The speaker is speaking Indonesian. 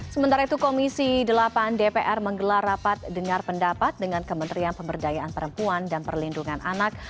sementara itu komisi delapan dpr menggelar rapat dengar pendapat dengan kementerian pemberdayaan perempuan dan perlindungan anak